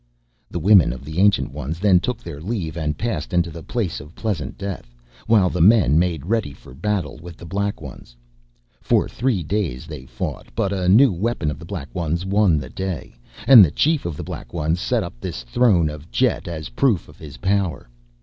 "The women of the Ancient Ones then took their leave and passed into the place of Pleasant Death while the men made ready for battle with the Black Ones. For three days they fought, but a new weapon of the Black Ones won the day, and the chief of the Black Ones set up this throne of jet as proof of his power.